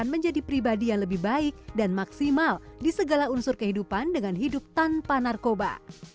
dan menjadi pribadi yang lebih baik dan maksimal di segala unsur kehidupan dengan hidup tanpa narkoba